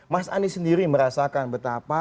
mas anies sendiri merasakan betapa